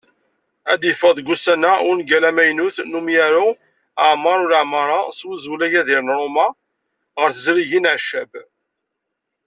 Ad d-yeffeɣ deg wussan-a, wungal amaynut n umyaru Ɛmeṛ Ulamaṛa, s uzwel "Agadir n Roma", ɣer teẓrigin Accab.